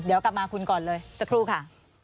เดี๋ยวกลับมาคุณก่อนเลยสักครู่ค่ะ